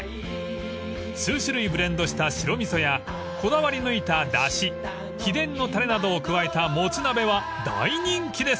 ［数種類ブレンドした白味噌やこだわり抜いただし秘伝のたれなどを加えたもつ鍋は大人気です］